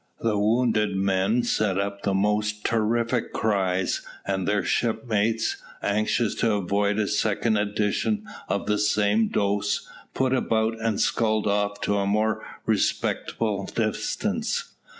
The wounded men set up the most terrific cries, and their shipmates, anxious to avoid a second edition of the same dose, put about, and sculled off to a more respectful distance.